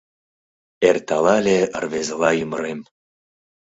Эрталале рвезыла ӱмырем.